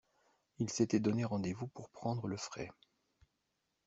Ils s’étaient donné rendez-vous pour prendre le frais.